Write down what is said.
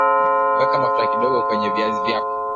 weka mafuta kidogo kwenye viazi vyako